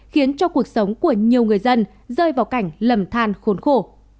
khiến cho cuộc sống của nhiều người dân rơi vào cảnh lầm than khốn khổ